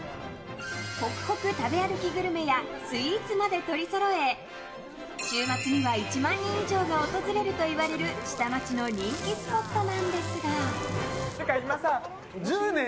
ホクホク食べ歩きグルメやスイーツまで取りそろえ週末には、１万人以上が訪れるといわれる下町の人気スポットなんですが。